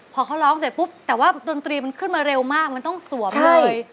พอเขาร้องเสร็จปุ๊บแต่ว่าดนตรีมันขึ้นมาเร็วมากมันต้องสวมเลย